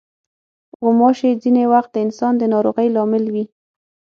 غوماشې ځینې وخت د انسان د ناروغۍ لامل وي.